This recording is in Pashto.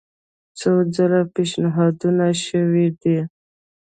څو ځله پېشنهادونه شوي دي.